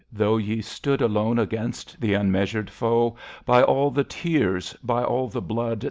Though ye stood Alone against the unmeasured foe, By all the tears, by all the blood.